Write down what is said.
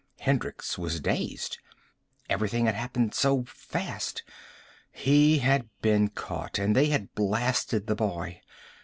Hendricks was dazed. Everything had happened so fast. He had been caught. And they had blasted the boy.